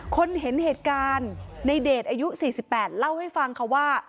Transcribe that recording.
คนเห็นเหตุการณ์ในเดชอายุ๔๘เล่าให้ฟังค่ะว่า